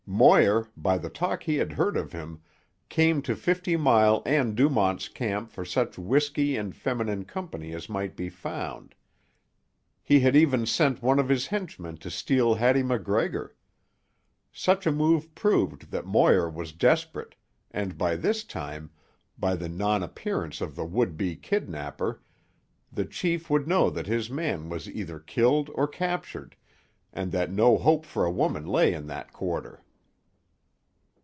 Moir, by the talk he had heard of him, came to Fifty Mile and Dumont's Camp for such whisky and feminine company as might be found. He had even sent one of his henchmen to steal Hattie MacGregor. Such a move proved that Moir was desperate, and by this time, by the non appearance of the would be kidnapper, the chief would know that his man was either killed or captured, and that no hope for a woman lay in that quarter.